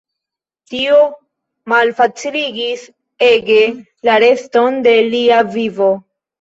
Tio malfaciligis ege la reston de lia vivo.